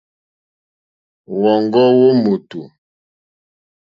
Wɔ̌ŋɡɔ́ wó mòtò.